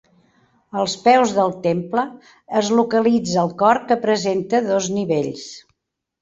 Als peus del temple es localitza el cor que presenta dos nivells.